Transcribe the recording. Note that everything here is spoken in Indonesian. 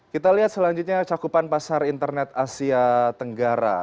kita lihat selanjutnya cakupan pasar internet asia tenggara